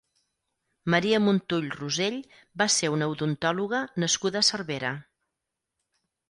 Maria Montull Rosell va ser una odontòloga nascuda a Cervera.